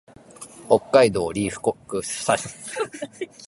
北海道音威子府村